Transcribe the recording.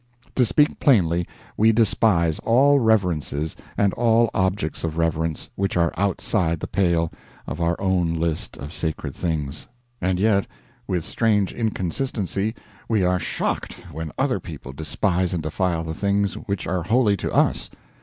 To speak plainly, we despise all reverences and all objects of reverence which are outside the pale of our own list of sacred things. And yet, with strange inconsistency, we are shocked when other people despise and defile the things which are holy to us.